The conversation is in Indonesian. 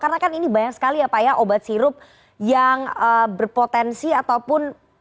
karena kan ini banyak sekali ya pak ya obat sirup yang berpotensi ataupun